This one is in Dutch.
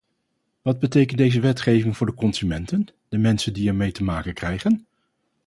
Wat betekent deze wetgeving voor de consumenten, de mensen die ermee te maken krijgen?